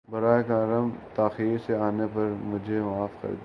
براہ کرم تاخیر سے آنے پر مجھے معاف کر دیجۓ